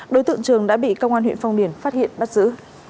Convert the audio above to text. đối tượng trường đã bị công an huyện phong điền phát hiện bắt giữ